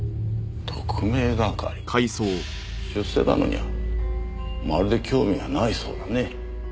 出世だのにはまるで興味がないそうだね。